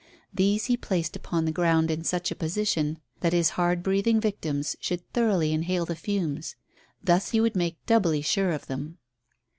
These he placed upon the ground in such a position that his hard breathing victims should thoroughly inhale the fumes. Thus he would make doubly sure of them.